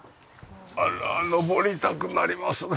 あら上りたくなりますね。